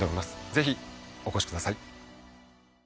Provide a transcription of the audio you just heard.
ぜひお越しください